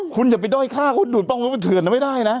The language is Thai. คุณอย่าไปด้อยข้าเราดูดป้องดูดป้องเขาไปเถื่อนนะไม่ได้นะ